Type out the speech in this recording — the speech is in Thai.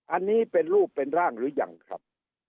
อันนี้เป็นรูปเป็นร่างหรือยังครับ